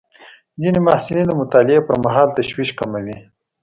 ځینې محصلین د مطالعې پر مهال تشویش کموي.